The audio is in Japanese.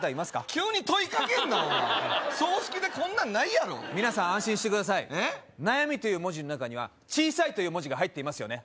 急に問いかけんなお前葬式でこんなんないやろ皆さん安心してください「悩」という文字の中には「小」という文字が入っていますよね